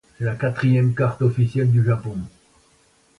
C'est la quatrième carte officielle du Japon.